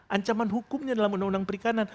ancaman hukumnya dalam undang undang perikanan